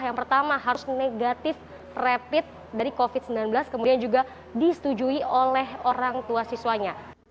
yang pertama harus negatif rapid dari covid sembilan belas kemudian juga disetujui oleh orang tua siswanya